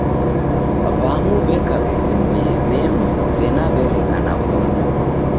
W'amu w'eka w'ivimbie memu sena w'ereka na vonda.